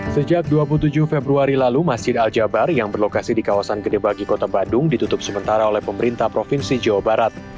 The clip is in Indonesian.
sejak dua puluh tujuh februari lalu masjid al jabar yang berlokasi di kawasan gedebagi kota bandung ditutup sementara oleh pemerintah provinsi jawa barat